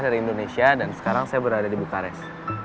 dari indonesia dan sekarang saya berada di bukares